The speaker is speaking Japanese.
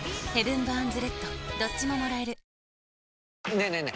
ねえねえ